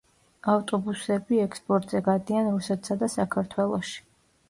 ავტობუსები ექსპორტზე გადიან რუსეთსა და საქართველოში.